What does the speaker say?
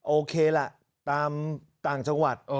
โอเคล่ะตามต่างจังหวัด